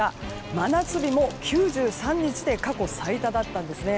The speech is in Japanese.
真夏日も９３日で過去最多だったんですね。